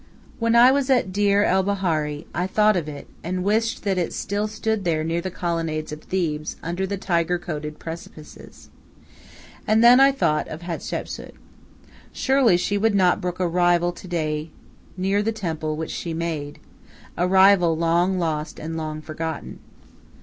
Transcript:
When I was at Deir el Bahari I thought of it and wished that it still stood there near the Colonnades of Thebes under the tiger colored precipices. And then I thought of Hatshepsu. Surely she would not brook a rival to day near the temple which she made a rival long lost and long forgotten.